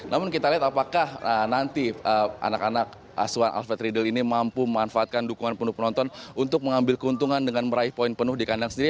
namun kita lihat apakah nanti anak anak asuhan alfred riedel ini mampu memanfaatkan dukungan penuh penonton untuk mengambil keuntungan dengan meraih poin penuh di kandang sendiri